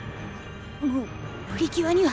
もうプリキュアには。